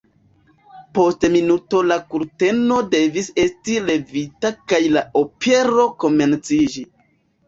Post minuto la kurteno devis esti levita kaj la opero komenciĝi.